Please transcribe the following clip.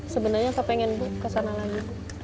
sebenarnya saya ingin bu kesana lagi